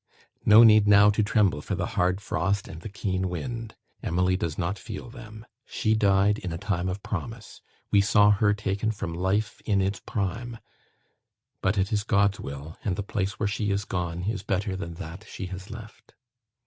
No need now to tremble for the hard frost and the keen wind. Emily does not feel them. She died in a time of promise. We saw her taken from life in its prime. But it is God's will, and the place where she is gone is better than that she has left.